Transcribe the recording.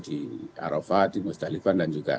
di arafah di musdalifah dan juga